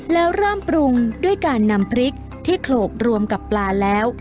แล้วเริ่มปรุงด้วยการนำพริกที่โขลกรวมกับปลาแล้ว